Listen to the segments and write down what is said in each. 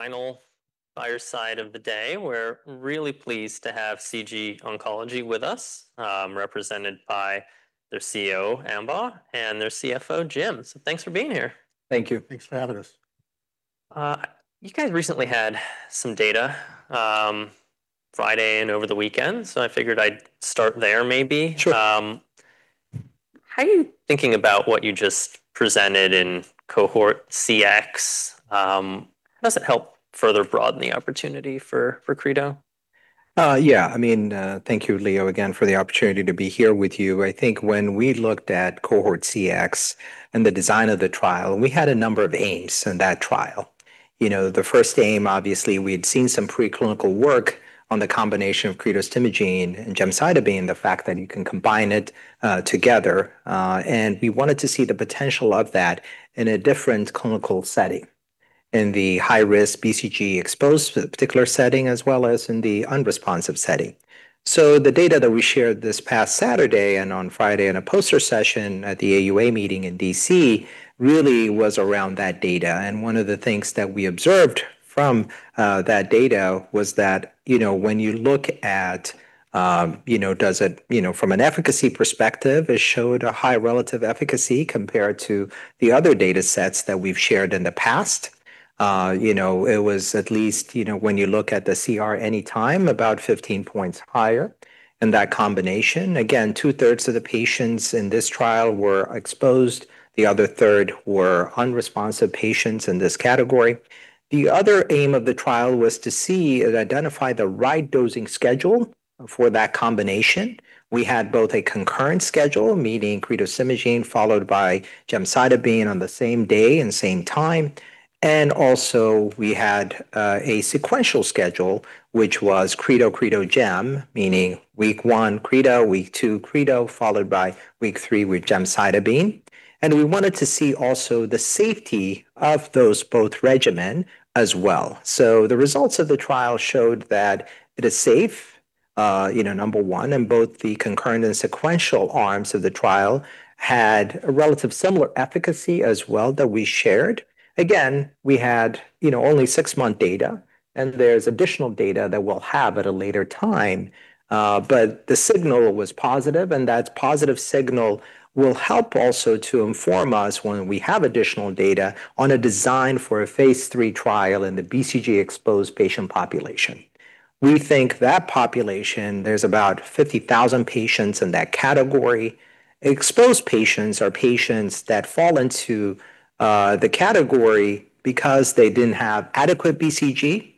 Final fireside of the day. We're really pleased to have CG Oncology with us, represented by their CEO, Ambaw Bellete, and their CFO, Jim. Thanks for being here. Thank you. Thanks for having us. You guys recently had some data, Friday and over the weekend. I figured I'd start there maybe. Sure. How are you thinking about what you just presented in Cohort CX? How does it help further broaden the opportunity for creto? Thank you, Leo, again, for the opportunity to be here with you. I think when we looked at Cohort CX and the design of the trial, we had a number of aims in that trial. The first aim, obviously, we had seen some preclinical work on the combination of cretostimogene and gemcitabine, the fact that you can combine it together. We wanted to see the potential of that in a different clinical setting, in the high-risk BCG exposed particular setting, as well as in the unresponsive setting. The data that we shared this past Saturday and on Friday in a poster session at the AUA meeting in D.C. really was around that data. One of the things that we observed from that data was that when you look at from an efficacy perspective, it showed a high relative efficacy compared to the other data sets that we've shared in the past. It was at least, when you look at the CR anytime, about 15 points higher in that combination. Again, two-thirds of the patients in this trial were exposed. The other third were unresponsive patients in this category. The other aim of the trial was to see and identify the right dosing schedule for that combination. We had both a concurrent schedule, meaning cretostimogene followed by gemcitabine on the same day and same time. Also we had a sequential schedule, which was creto gem, meaning week one creto, week two creto, followed by week three with gemcitabine. We wanted to see also the safety of those both regimen as well. The results of the trial showed that it is safe, number one, and both the concurrent and sequential arms of the trial had a relative similar efficacy as well that we shared. Again, we had only six-month data, and there's additional data that we'll have at a later time. The signal was positive, and that positive signal will help also to inform us when we have additional data on a design for a phase III trial in the BCG exposed patient population. We think that population, there's about 50,000 patients in that category. Exposed patients are patients that fall into the category because they didn't have adequate BCG.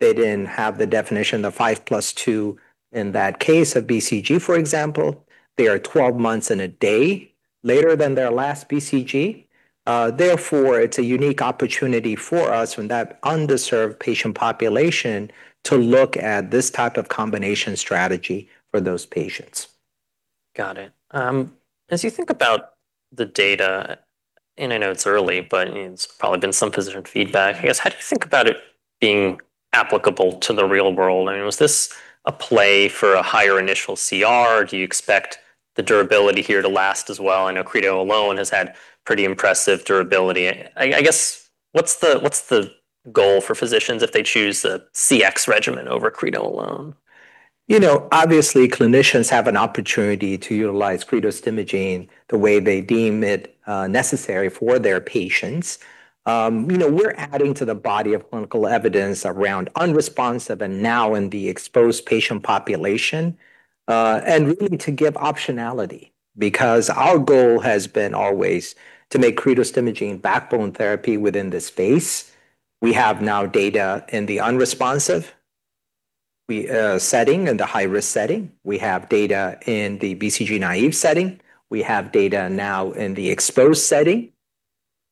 They didn't have the definition of five plus two in that case of BCG, for example. They are 12 months and a day later than their last BCG. It's a unique opportunity for us with that underserved patient population to look at this type of combination strategy for those patients. Got it. As you think about the data, and I know it's early, but there's probably been some physician feedback. I guess, how do you think about it being applicable to the real world? I mean, was this a play for a higher initial CR? Do you expect the durability here to last as well? I know creto alone has had pretty impressive durability. I guess, what's the goal for physicians if they choose a CX regimen over creto alone? Obviously, clinicians have an opportunity to utilize cretostimogene the way they deem it necessary for their patients. We're adding to the body of clinical evidence around unresponsive and now in the exposed patient population, and really to give optionality. Our goal has been always to make cretostimogene backbone therapy within this space. We have now data in the unresponsive setting and the high-risk setting. We have data in the BCG-naive setting. We have data now in the exposed setting,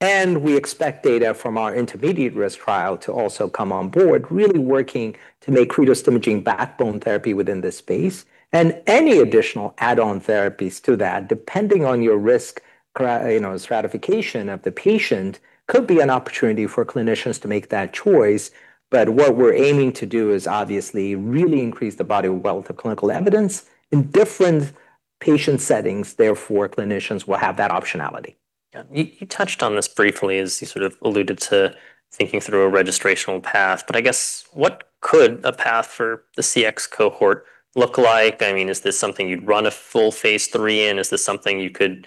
we expect data from our intermediate-risk trial to also come on board, really working to make cretostimogene backbone therapy within this space. Any additional add-on therapies to that, depending on your risk stratification of the patient, could be an opportunity for clinicians to make that choice. What we're aiming to do is obviously really increase the body of wealth of clinical evidence in different patient settings. Therefore, clinicians will have that optionality. Yeah. You touched on this briefly as you sort of alluded to thinking through a registrational path, but I guess what could a path for the Cohort CX look like? I mean, is this something you'd run a full phase III in? Is this something you could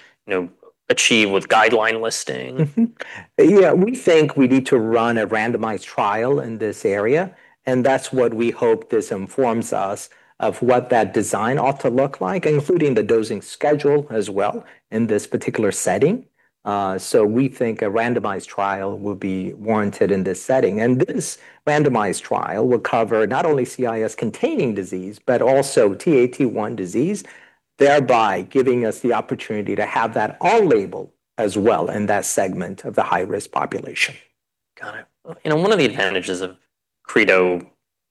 achieve with guideline listing? Yeah. We think we need to run a randomized trial in this area, and that's what we hope this informs us of what that design ought to look like, including the dosing schedule as well in this particular setting. We think a randomized trial will be warranted in this setting, and this randomized trial will cover not only CIS-containing disease, but also Ta/T1 disease, thereby giving us the opportunity to have that all-label as well in that segment of the high-risk population. Got it. One of the advantages of creto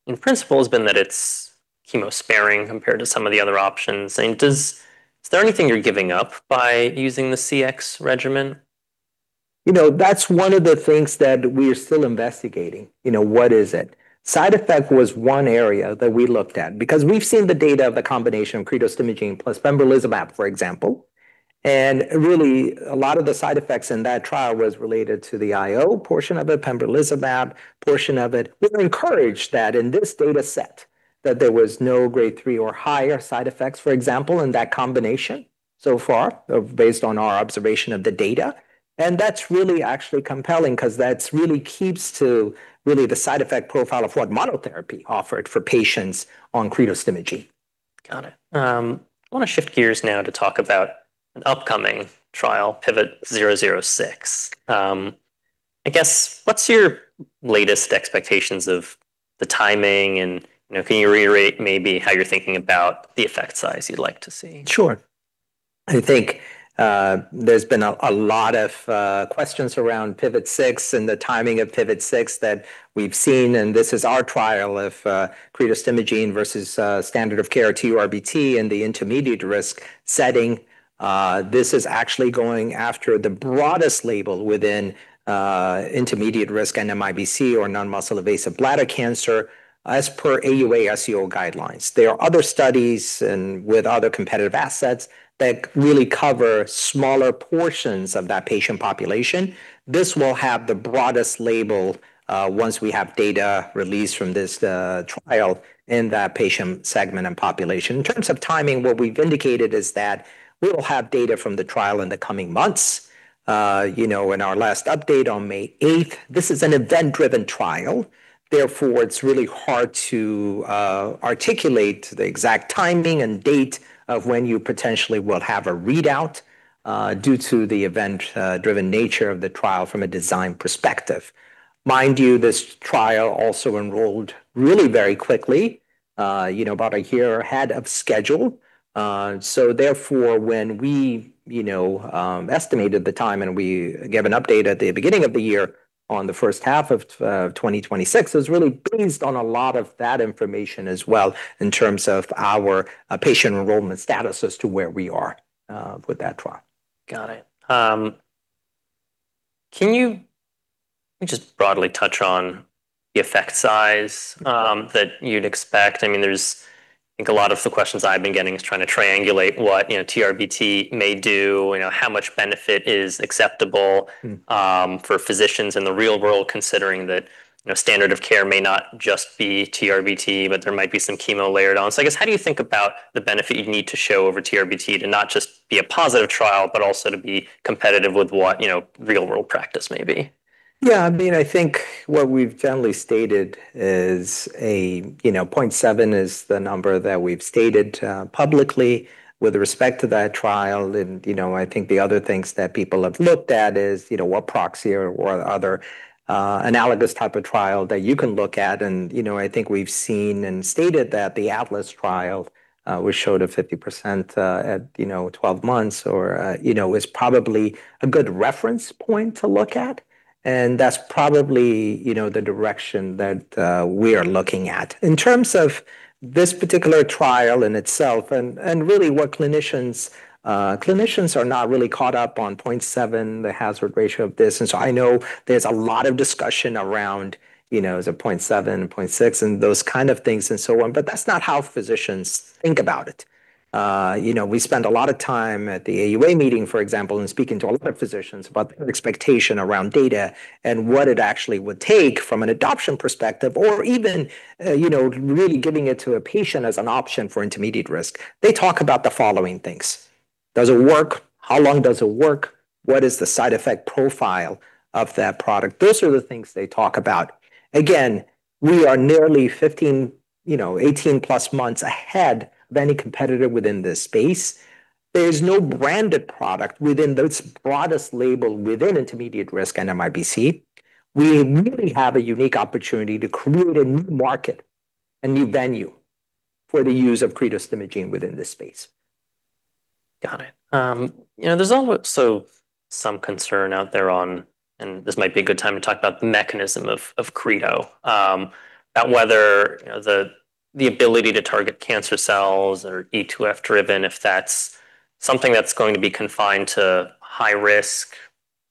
in principle has been that it's chemo-sparing compared to some of the other options. Is there anything you're giving up by using the CX regimen? That's one of the things that we are still investigating. What is it? Side effect was one area that we looked at because we've seen the data of the combination of cretostimogene plus pembrolizumab, for example. Really, a lot of the side effects in that trial was related to the IO portion of it, pembrolizumab portion of it. We were encouraged that in this data set. That there was no grade three or higher side effects, for example, in that combination so far based on our observation of the data. That's really actually compelling because that really keeps to really the side effect profile of what monotherapy offered for patients on cretostimogene Got it. I want to shift gears now to talk about an upcoming trial, PIVOT-006. I guess, what's your latest expectations of the timing, and can you reiterate maybe how you're thinking about the effect size you'd like to see? Sure. I think there's been a lot of questions around PIVOT-006 and the timing of PIVOT-006 that we've seen. This is our trial of cretostimogene versus standard of care TURBT in the intermediate-risk setting. This is actually going after the broadest label within intermediate-risk NMIBC or non-muscle invasive bladder cancer as per AUA/SUO guidelines. There are other studies and with other competitive assets that really cover smaller portions of that patient population. This will have the broadest label once we have data released from this trial in that patient segment and population. In terms of timing, what we've indicated is that we will have data from the trial in the coming months. In our last update on May 8th, this is an event-driven trial, therefore, it's really hard to articulate the exact timing and date of when you potentially will have a readout due to the event-driven nature of the trial from a design perspective. Mind you, this trial also enrolled really very quickly, about a year ahead of schedule. Therefore, when we estimated the time, and we gave an update at the beginning of the year on the first half of 2026, it was really based on a lot of that information as well in terms of our patient enrollment status as to where we are with that trial. Got it. Can you just broadly touch on the effect size that you'd expect? I think a lot of the questions I've been getting is trying to triangulate what TURBT may do, how much benefit is acceptable for physicians in the real world considering that standard of care may not just be TURBT, but there might be some chemo layered on. I guess, how do you think about the benefit you'd need to show over TURBT to not just be a positive trial, but also to be competitive with what real-world practice may be? Yeah. I think what we've generally stated is 0.7 is the number that we've stated publicly with respect to that trial. I think the other things that people have looked at is what proxy or what other analogous type of trial that you can look at. I think we've seen and stated that the ATLAS trial, which showed a 50% at 12 months is probably a good reference point to look at. That's probably the direction that we are looking at. In terms of this particular trial in itself and really what clinicians are not really caught up on 0.7, the hazard ratio of this. I know there's a lot of discussion around, is it 0.7, 0.6, and those kind of things and so on, but that's not how physicians think about it. We spend a lot of time at the AUA meeting, for example, and speaking to a lot of physicians about their expectation around data and what it actually would take from an adoption perspective or even really giving it to a patient as an option for intermediate risk. They talk about the following things: Does it work? How long does it work? What is the side effect profile of that product? Those are the things they talk about. Again, we are nearly 15, 18+ months ahead of any competitor within this space. There is no branded product within this broadest label within intermediate-risk NMIBC. We really have a unique opportunity to create a new market, a new venue for the use of cretostimogene within this space. Got it. There's also some concern out there on, and this might be a good time to talk about the mechanism of creto, about whether the ability to target cancer cells are E2F-driven, if that's something that's going to be confined to high-risk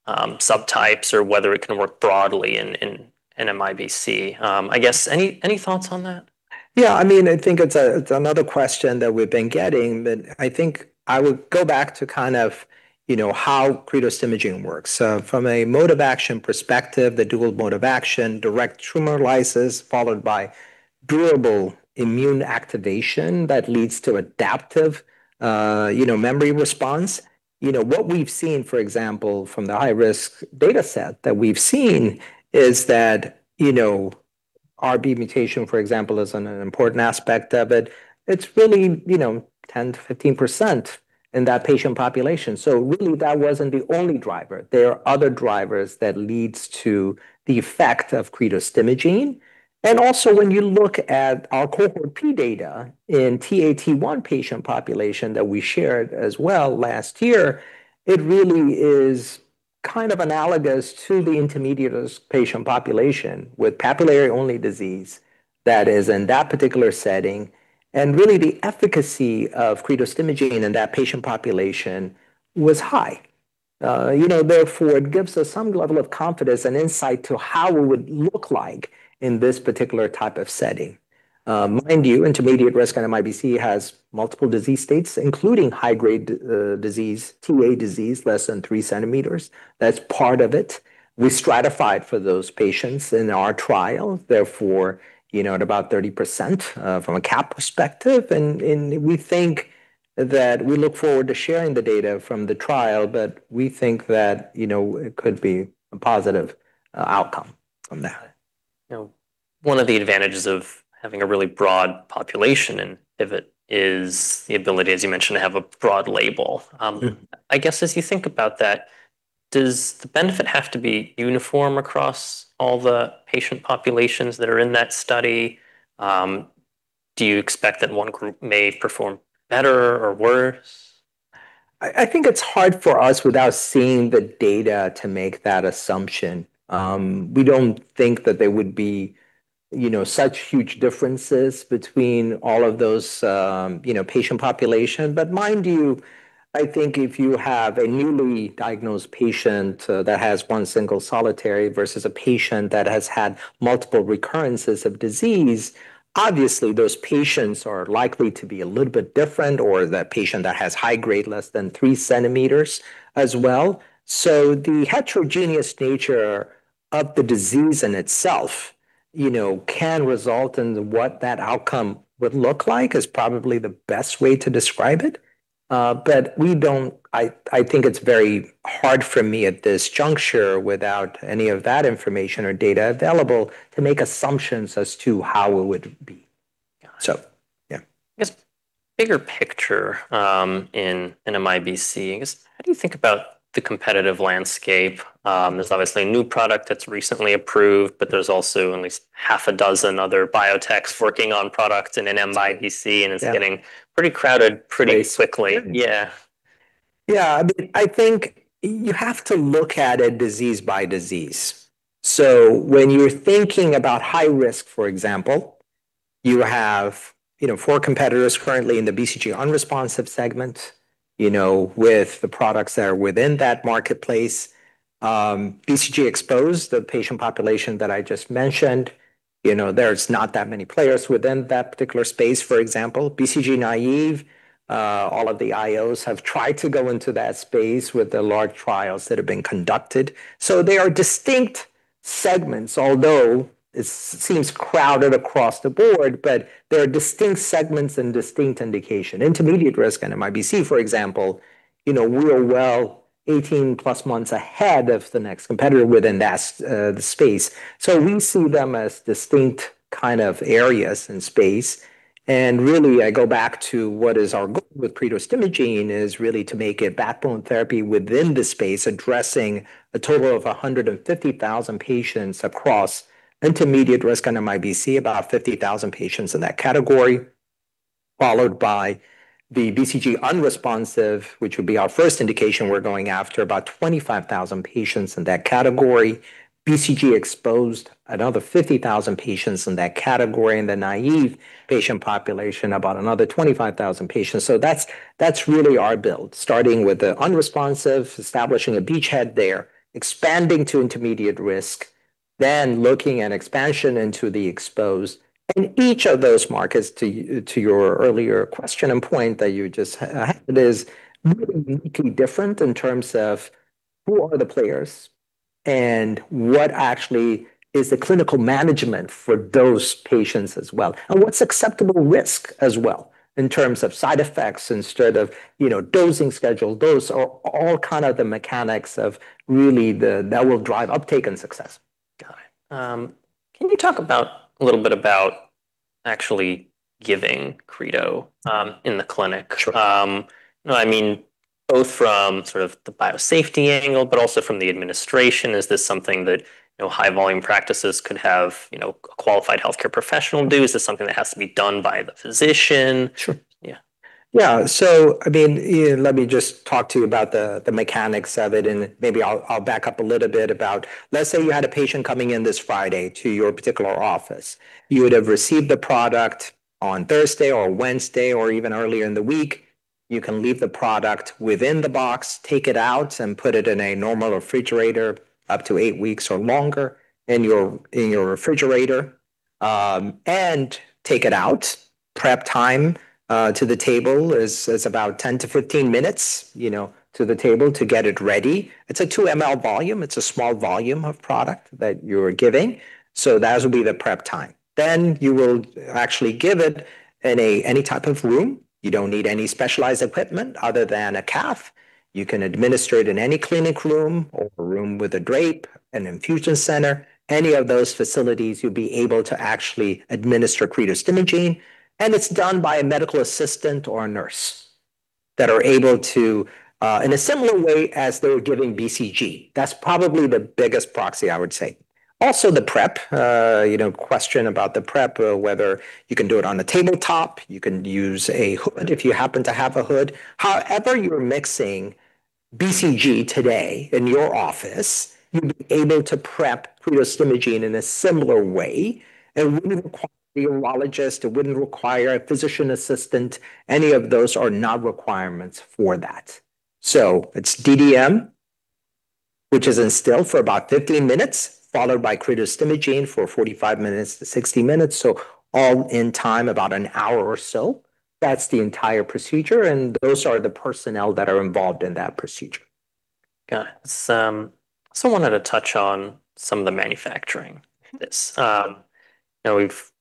subtypes or whether it can work broadly in NMIBC. I guess, any thoughts on that? Yeah. I think it's another question that we've been getting, but I think I would go back to how cretostimogene works. From a mode-of-action perspective, the dual mode of action, direct tumor lysis followed by durable immune activation that leads to adaptive memory response. What we've seen, for example, from the high-risk data set that we've seen is that RB mutation, for example, is an important aspect of it. It's really 10%-15% in that patient population. Really that wasn't the only driver. There are other drivers that leads to the effect of cretostimogene Also when you look at our Cohort P data in Ta/T1 patient population that we shared as well last year, it really is kind of analogous to the intermediate patient population with papillary-only disease that is in that particular setting. Really the efficacy of cretostimogene in that patient population was high. Therefore, it gives us some level of confidence and insight to how it would look like in this particular type of setting. Mind you, intermediate-risk NMIBC has multiple disease states, including high-grade disease, Ta disease, less than 3 cm. That's part of it. We stratified for those patients in our trial. Therefore, at about 30% from a cap perspective, we look forward to sharing the data from the trial, but we think that it could be a positive outcome from that. One of the advantages of having a really broad population in PIVOT is the ability, as you mentioned, to have a broad label. I guess, as you think about that, does the benefit have to be uniform across all the patient populations that are in that study? Do you expect that one group may perform better or worse? I think it's hard for us, without seeing the data, to make that assumption. We don't think that there would be such huge differences between all of those patient population. Mind you, I think if you have a newly diagnosed patient that has one single solitary versus a patient that has had multiple recurrences of disease, obviously those patients are likely to be a little bit different, or the patient that has high grade less than three centimeters as well. The heterogeneous nature of the disease in itself can result in what that outcome would look like, is probably the best way to describe it. I think it's very hard for me at this juncture, without any of that information or data available, to make assumptions as to how it would be. Got it. Yeah. I guess, bigger picture in NMIBC, I guess how do you think about the competitive landscape? There's obviously a new product that's recently approved, but there's also at least half a dozen other biotechs working on products in NMIBC, and it's getting pretty crowded pretty quickly. Yeah. Yeah. I think you have to look at it disease by disease. When you're thinking about high risk, for example, you have four competitors currently in the BCG unresponsive segment, with the products that are within that marketplace. BCG exposed, the patient population that I just mentioned, there's not that many players within that particular space. For example, BCG naive, all of the IOs have tried to go into that space with the large trials that have been conducted. They are distinct segments, although it seems crowded across the board, but they are distinct segments and distinct indication. Intermediate-risk NMIBC, for example, we are well 18+ months ahead of the next competitor within that space. We see them as distinct kind of areas in space, really I go back to what is our goal with cretostimogene is really to make it backbone therapy within the space, addressing a total of 150,000 patients across intermediate-risk NMIBC. About 50,000 patients in that category, followed by the BCG unresponsive, which would be our first indication we're going after, about 25,000 patients in that category. BCG exposed, another 50,000 patients in that category. In the naive patient population, about another 25,000 patients. That's really our build. Starting with the unresponsive, establishing a beachhead there, expanding to intermediate risk, looking at expansion into the exposed. Each of those markets, to your earlier question and point that you just had, is really uniquely different in terms of who are the players and what actually is the clinical management for those patients as well. What's acceptable risk as well in terms of side effects instead of dosing schedule. Those are all kind of the mechanics of really that will drive uptake and success. Got it. Can you talk a little bit about actually giving creto in the clinic? Sure. I mean both from sort of the biosafety angle, but also from the administration. Is this something that high-volume practices could have a qualified healthcare professional do? Is this something that has to be done by the physician? Sure. Yeah. Yeah. Let me just talk to you about the mechanics of it, and maybe I'll back up a little bit about, let's say you had a patient coming in this Friday to your particular office. You would have received the product on Thursday or Wednesday, or even earlier in the week. You can leave the product within the box, take it out, and put it in a normal refrigerator, up to eight weeks or longer in your refrigerator. Take it out. Prep time to the table is about 10-15 minutes, to the table to get it ready. It's a 2 mL volume. It's a small volume of product that you're giving. That would be the prep time. You will actually give it in any type of room. You don't need any specialized equipment other than a cath. You can administer it in any clinic room or a room with a drape, an infusion center, any of those facilities, you'll be able to actually administer cretostimogene. It's done by a medical assistant or a nurse that are able to, in a similar way as they would giving BCG. That's probably the biggest proxy, I would say. Also, the prep. Question about the prep, whether you can do it on a tabletop, you can use a hood if you happen to have a hood. However you're mixing BCG today in your office, you'd be able to prep cretostimogene in a similar way. It wouldn't require a urologist, it wouldn't require a physician assistant. Any of those are not requirements for that. It's DDM, which is instilled for about 15 minutes, followed by cretostimogene for 45 minutes to 60 minutes, so all in time about an hour or so. That's the entire procedure, and those are the personnel that are involved in that procedure. Got it. I wanted to touch on some of the manufacturing. Yes. We've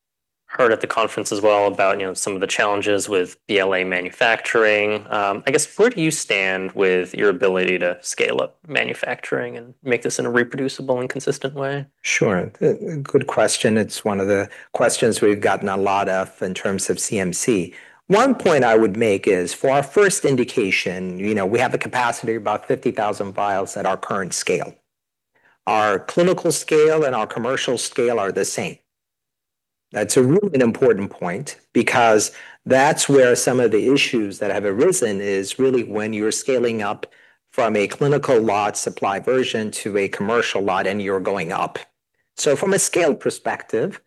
heard at the conference as well about some of the challenges with BLA manufacturing. I guess, where do you stand with your ability to scale up manufacturing and make this in a reproducible and consistent way? Sure. Good question. It's one of the questions we've gotten a lot of in terms of CMC. One point I would make is, for our first indication, we have the capacity of about 50,000 vials at our current scale. Our clinical scale and our commercial scale are the same. That's a really important point because that's where some of the issues that have arisen is really when you're scaling up from a clinical lot supply version to a commercial lot, and you're going up. From a scale perspective,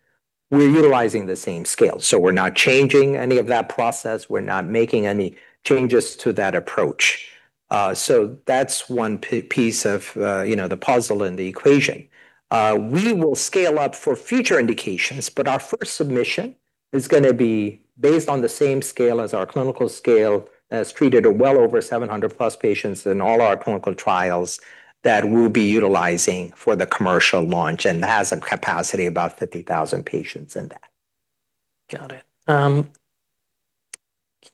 we're utilizing the same scale, so we're not changing any of that process. We're not making any changes to that approach. That's one piece of the puzzle in the equation. We will scale up for future indications, but our first submission is going to be based on the same scale as our clinical scale, has treated well over 700+ patients in all our clinical trials that we'll be utilizing for the commercial launch and has a capacity of about 50,000 patients in that. Got it. Can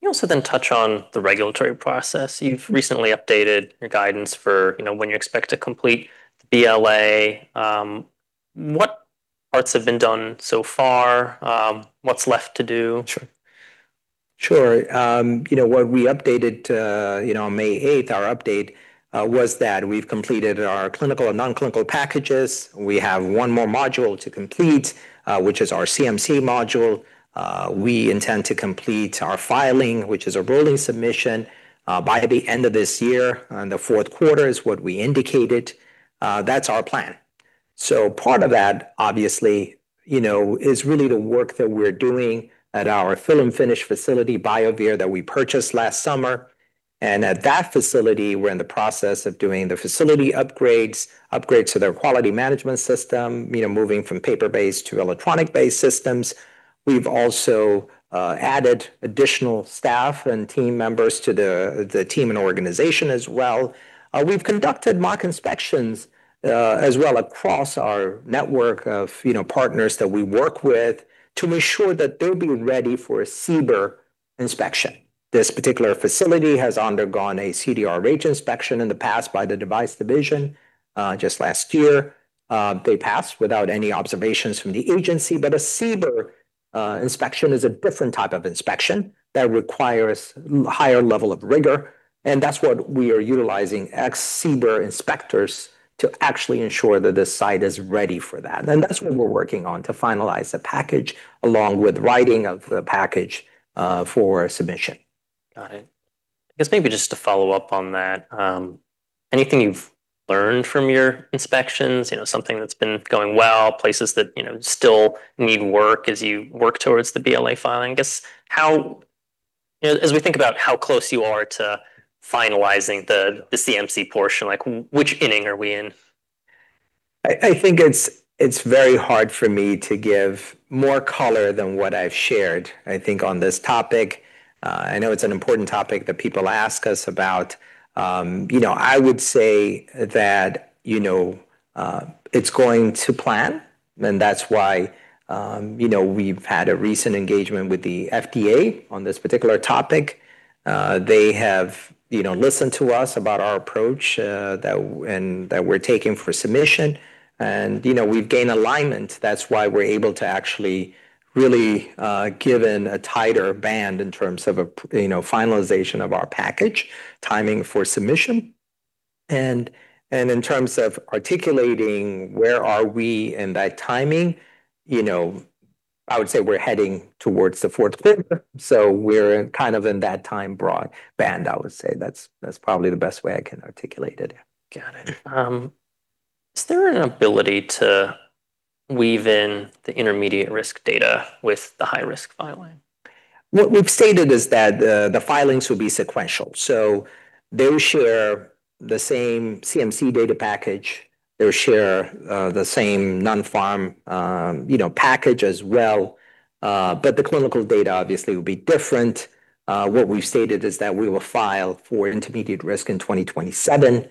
you also then touch on the regulatory process? You've recently updated your guidance for when you expect to complete BLA. What parts have been done so far? What's left to do? Sure. What we updated on May 8th, our update was that we've completed our clinical and non-clinical packages. We have one more module to complete, which is our CMC module. We intend to complete our filing, which is a rolling submission, by the end of this year, and the fourth quarter is what we indicated. That's our plan. Part of that, obviously, is really the work that we're doing at our fill and finish facility, Biovire, that we purchased last summer. At that facility, we're in the process of doing the facility upgrades to their quality management system, moving from paper-based to electronic-based systems. We've also added additional staff and team members to the team and organization as well. We've conducted mock inspections as well across our network of partners that we work with to ensure that they'll be ready for a CBER inspection. This particular facility has undergone a CDRH inspection in the past by the device division just last year. They passed without any observations from the agency. A CBER inspection is a different type of inspection that requires higher level of rigor, and that's what we are utilizing ex CBER inspectors to actually ensure that this site is ready for that. That's what we're working on to finalize the package, along with writing of the package for submission. Got it. I guess maybe just to follow up on that, anything you've learned from your inspections, something that's been going well, places that you know still need work as you work towards the BLA filing? I guess as we think about how close you are to finalizing the CMC portion, which inning are we in? I think it's very hard for me to give more color than what I've shared, I think, on this topic. I know it's an important topic that people ask us about. I would say that it's going to plan, and that's why we've had a recent engagement with the FDA on this particular topic. They have listened to us about our approach that we're taking for submission, and we've gained alignment. That's why we're able to actually really give in a tighter band in terms of finalization of our package, timing for submission. In terms of articulating where are we in that timing, I would say we're heading towards the fourth quarter, so we're kind of in that time band, I would say. That's probably the best way I can articulate it. Got it. Is there an ability to weave in the intermediate risk data with the high-risk filing? What we've stated is that the filings will be sequential. They'll share the same CMC data package. They'll share the same non-pharm package as well. The clinical data obviously will be different. What we've stated is that we will file for intermediate risk in 2027,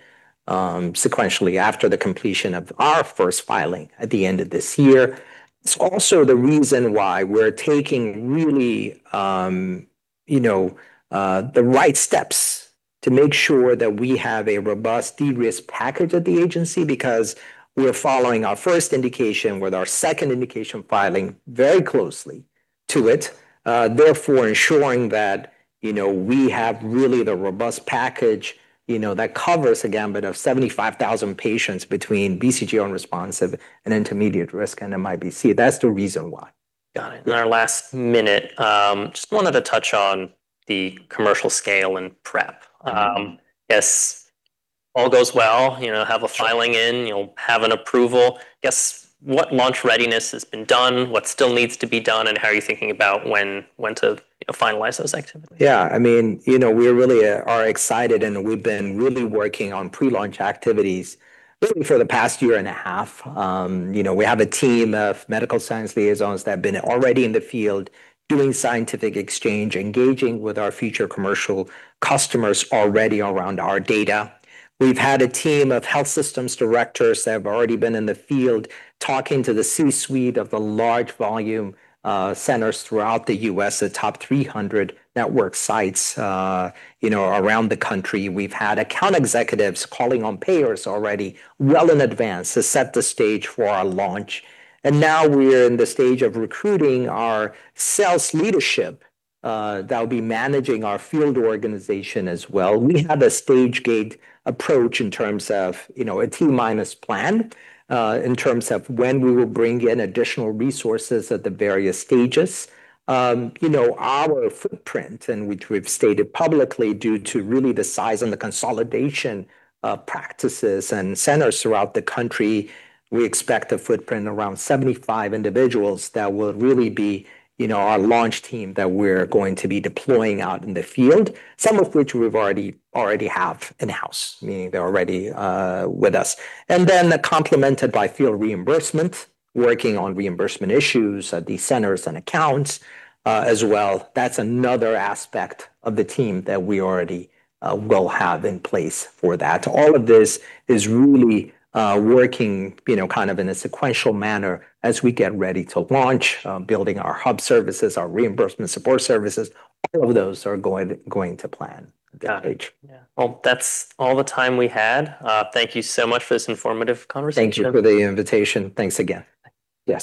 sequentially after the completion of our first filing at the end of this year. It's also the reason why we're taking really the right steps to make sure that we have a robust de-risk package at the agency because we're following our first indication with our second indication filing very closely to it. Therefore, ensuring that we have really the robust package that covers a gambit of 75,000 patients between BCG unresponsive and intermediate risk and NMIBC. That's the reason why. Got it. In our last minute, just wanted to touch on the commercial scale and prep. I guess all goes well, have a filing in, have an approval. I guess what launch readiness has been done, what still needs to be done, and how are you thinking about when to finalize those activities? Yeah. We really are excited, and we've been really working on pre-launch activities really for the past year and a half. We have a team of medical science liaisons that have been already in the field doing scientific exchange, engaging with our future commercial customers already around our data. We've had a team of health systems directors that have already been in the field talking to the C-suite of the large volume centers throughout the U.S., the top 300 network sites around the country. We've had account executives calling on payers already well in advance to set the stage for our launch. Now we're in the stage of recruiting our sales leadership that will be managing our field organization as well. We have a stage gate approach in terms of a T-minus plan, in terms of when we will bring in additional resources at the various stages. Our footprint, and which we've stated publicly due to really the size and the consolidation of practices and centers throughout the country, we expect a footprint around 75 individuals that will really be our launch team that we're going to be deploying out in the field, some of which we already have in-house, meaning they're already with us. Complemented by field reimbursement, working on reimbursement issues at these centers and accounts as well. That's another aspect of the team that we already will have in place for that. All of this is really working in a sequential manner as we get ready to launch, building our hub services, our reimbursement support services. All of those are going to plan at this stage. Got it. Well, that's all the time we had. Thank you so much for this informative conversation. Thank you for the invitation. Thanks again. Yes